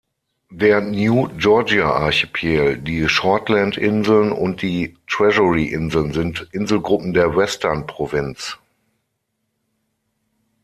Der New-Georgia-Archipel, die Shortland-Inseln und die Treasury-Inseln sind Inselgruppen der Western-Provinz.